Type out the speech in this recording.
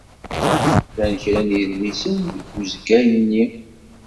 Llan kra n yedlisen deg wesga-nni.